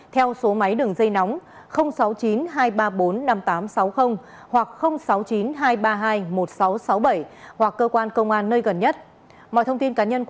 theo số máy đường dây nóng sáu mươi chín hai trăm ba mươi bốn năm nghìn tám trăm sáu mươi hoặc sáu mươi chín hai trăm ba mươi hai một nghìn sáu trăm sáu mươi bảy hoặc cơ quan công an nơi gần nhất mọi thông tin